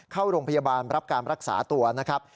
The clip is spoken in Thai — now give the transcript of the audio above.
เข้าโรงพยาบาลรับการรักษาตัวนะครับ